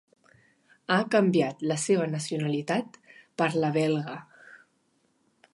Ha canviat la seva nacionalitat per la belga.